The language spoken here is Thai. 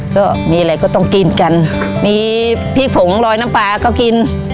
ก็มีอะไรก็ต้องกินกันมีพริกผงลอยน้ำปลาก็กิน